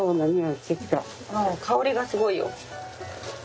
もう香りがすごいよ。